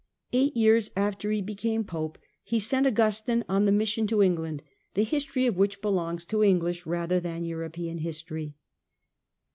Eight years after he became Pope, he sent Augustine on the mission to England, the history of which belongs to English rather than European history.